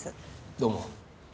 どうも。